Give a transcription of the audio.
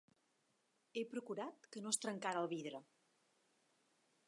He procurat que no es trencara el vidre.